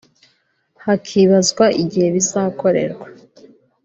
hakibazwa igihe bizakorerwa